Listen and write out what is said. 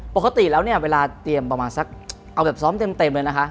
ปกติแล้วเนี่ยเวลาเตรียมประมาณสักเอาแบบซ้อมเต็มเลยนะคะ